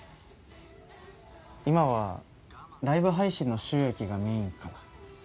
今はライブ配信の収益がメインかな。